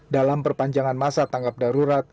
dalam perpanjangan masa tanggap darurat